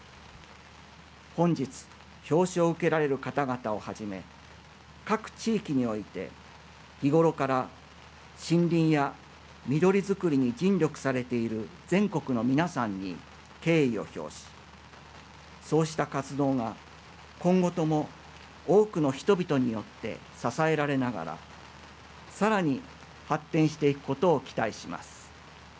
本日、表彰を受けられる方々をはじめ各地域において、日頃から森林や緑づくりに尽力されている全国の皆さんに敬意を表しそうした活動が今後とも多くの人々によって支えられながらさらに発展していくことを期待します。